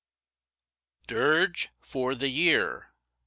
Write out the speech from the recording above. DIRGE FOR THE YEAR.